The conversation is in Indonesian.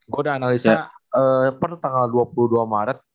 gue udah analisa pertanggal dua puluh dua maret